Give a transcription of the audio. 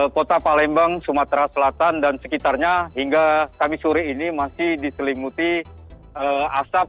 kota palembang sumatera selatan dan sekitarnya hingga kami sore ini masih diselimuti asap